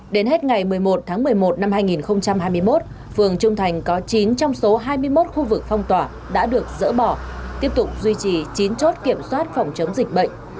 đến hết ngày một mươi một tháng một mươi một năm hai nghìn hai mươi một phường trung thành có chín trong số hai mươi một khu vực phong tỏa đã được dỡ bỏ tiếp tục duy trì chín chốt kiểm soát phòng chống dịch bệnh